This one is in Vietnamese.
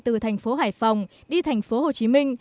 từ thành phố hải phòng đi thành phố hồ chí minh